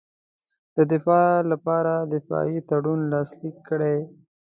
د دفاع لپاره دفاعي تړون لاسلیک کړي.